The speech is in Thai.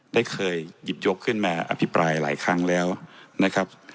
ได้เคยหยิบยกขึ้นมาอภิปรายหลายครั้งแล้วนะครับ